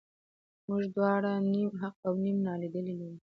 موږ دواړه نیم حق او نیم نالیدلي لرو.